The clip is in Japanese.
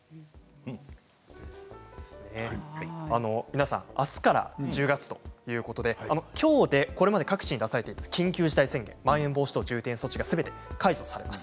皆さん、あすから１０月ということできょう、これまで各地で打ち出されていた緊急事態宣言、まん延防止等重点措置がすべて解除されます。